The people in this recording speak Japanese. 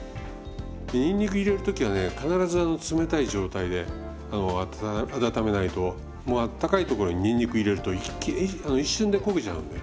にんにく入れる時はね必ず冷たい状態で温めないとあったかい所ににんにく入れると一瞬で焦げちゃうんで。